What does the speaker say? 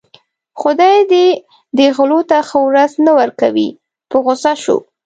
خدای دې دې غلو ته ښه ورځ نه ورکوي په غوسه شو.